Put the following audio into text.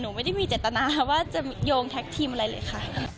ไม่ได้มีเจตนาว่าจะโยงแท็กทีมอะไรเลยค่ะ